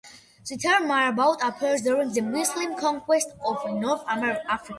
The term Marabout appears during the Muslim conquest of North Africa.